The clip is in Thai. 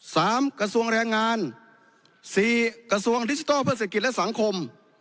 กระทรวงแรงงานสี่กระทรวงดิจิทัลเพื่อเศรษฐกิจและสังคม